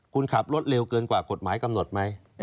คุณขับรถเร็วเกินกว่ากฎหมายกำหนดไหม